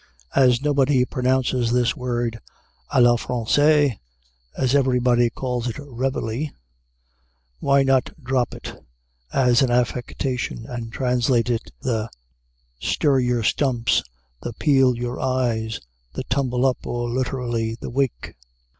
As nobody pronounces this word à la française, as everybody calls it "Revelee," why not drop it, as an affectation, and translate it the "Stir your Stumps," the "Peel your Eyes," the "Tumble Up," or literally the "Wake"?